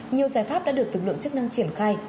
nhiều giải pháp đã được lực lượng chức năng triển khai